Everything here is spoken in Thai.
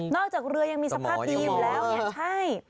นอกจากเรือยังมีสภาพดีแล้วใช่